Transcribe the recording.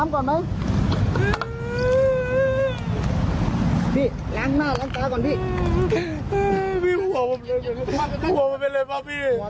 พอจะใจพี่หรอ